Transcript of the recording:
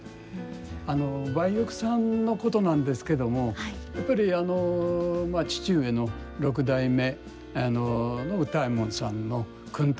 梅玉さんのことなんですけどもやっぱり父上の六代目の歌右衛門さんの薫陶